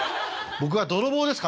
僕は泥棒ですか皆さん。